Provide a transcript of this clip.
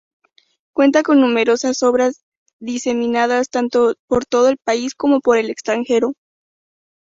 Cuenta con numerosas obras diseminadas tanto por todo el país como por el extranjero.